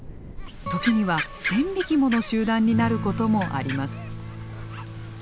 時には１，０００匹もの集団になることもあります。